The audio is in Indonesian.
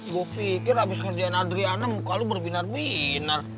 gue pikir abis kerjaan adriana muka lo berbinar binar